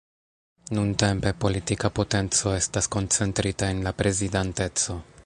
Nuntempe, politika potenco estas koncentrita en la Prezidanteco.